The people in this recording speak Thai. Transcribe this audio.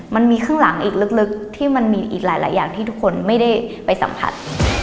มันมีข้างหลังอีกลึกที่มันมีอีกหลายอย่างที่ทุกคนไม่ได้ไปสัมผัส